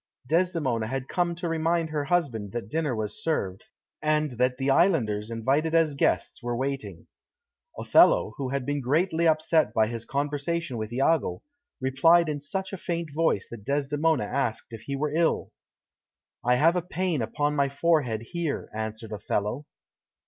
Desdemona had come to remind her husband that dinner was served, and that the islanders invited as guests were waiting. Othello, who had been greatly upset by his conversation with Iago, replied in such a faint voice that Desdemona asked if he were ill. "I have a pain upon my forehead here," answered Othello.